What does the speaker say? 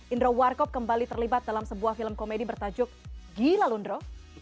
indro warkop kembali terlibat dalam sebuah film komedi bertajuk gilalundro